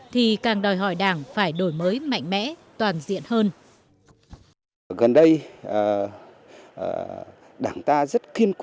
thì càng đòi hỏi đảng phải đổi mới mạnh mẽ toàn diện hơn